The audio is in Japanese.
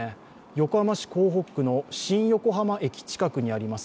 横浜市港北区の新横浜駅近くにあります